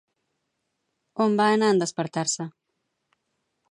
On va anar en despertar-se?